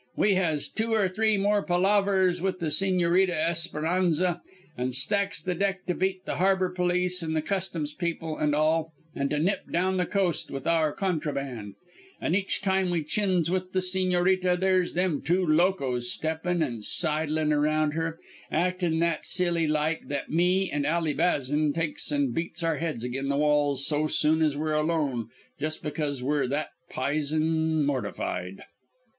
"We has two or three more palavers with the Sigñorita Esperanza and stacks the deck to beat the harbor police and the Customs people an' all, an' to nip down the coast with our contraband. An' each time we chins with the Sigñorita there's them two locoes steppin' and sidle'n' around her, actin' that silly like that me and Ally Bazan takes an' beats our heads agin' the walls so soon as we're alone just because we're that pizen mortified.